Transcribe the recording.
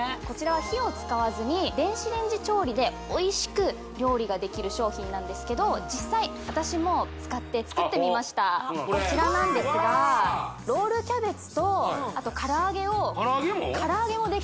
こちらは火を使わずに電子レンジ調理でおいしく料理ができる商品なんですけど実際私も使って作ってみましたこちらなんですがロールキャベツとあと唐揚げを唐揚げも？